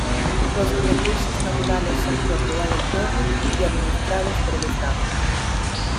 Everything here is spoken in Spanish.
Los recursos naturales son propiedad del pueblo y administrados por el Estado.